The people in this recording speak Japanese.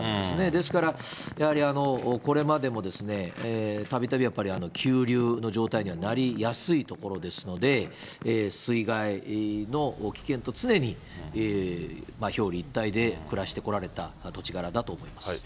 ですから、やはりこれまでもたびたび、やっぱり急流の状態にはなりやすい所ですので、水害の危険と常に表裏一体で暮らしてこられた土地柄だと思います。